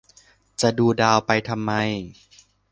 จะดูดาวไปทำไม